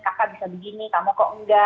kakak bisa begini kamu kok enggak